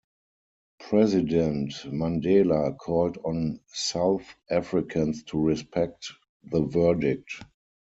President Mandela called on South Africans to respect the verdict.